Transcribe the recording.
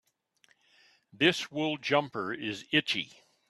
This wool jumper is itchy.